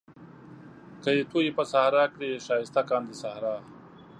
که يې تويې په صحرا کړې ښايسته کاندي صحرا